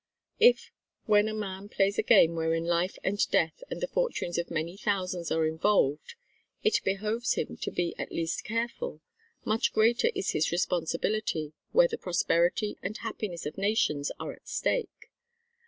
If, when a man plays a game wherein life and death and the fortunes of many thousands are involved, it behoves him to be at least careful, much greater is his responsibility where the prosperity and happiness of nations are at stake.